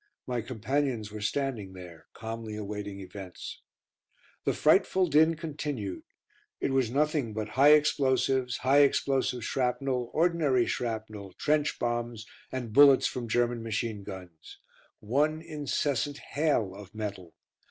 My companions were standing there, calmly awaiting events. The frightful din continued. It was nothing but high explosives, high explosive shrapnel, ordinary shrapnel, trench bombs, and bullets from German machine guns. One incessant hail of metal.